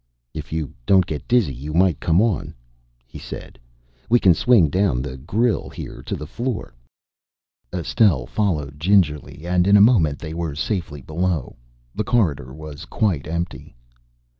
"If you don't get dizzy, you might come on," he said. "We can swing down the grille here to the floor." Estelle followed gingerly and in a moment they were safely below. The corridor was quite empty.